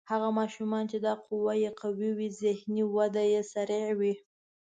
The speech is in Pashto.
هغه ماشومان چې دا قوه یې قوي وي ذهني وده یې سریع وي.